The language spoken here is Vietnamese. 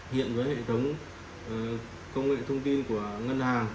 hiện với hệ thống công nghệ thông tin của ngân hàng